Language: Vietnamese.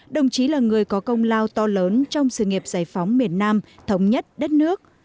đồng chí là người có công lao to lớn trong sự nghiệp giải phóng miền nam thống nhất đất nước